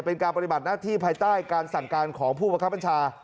ปฏิบัติหน้าที่ภายใต้การสั่งการของผู้บังคับบัญชา